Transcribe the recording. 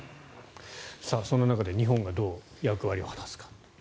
そんな中で日本がどう役割を果たすか。